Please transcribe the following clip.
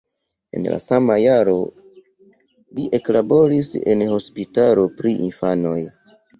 En la sama jaro li eklaboris en hospitalo pri infanoj.